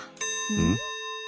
うん？